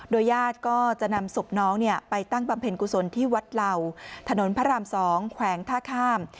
ญาติก็จะนำศพน้องไปตั้งบำเพ็ญกุศลที่วัดเหล่าถนนพระราม๒แขวงท่าข้าม